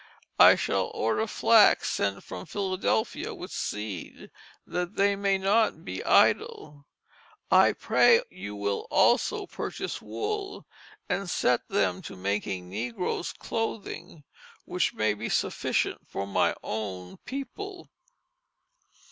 I shall order Flax sent from Philadelphia with seed, that they may not be idle. I pray you will also purchase Wool and sett them to making Negroes clothing which may be sufficient for my own People.